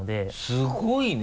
すごいね。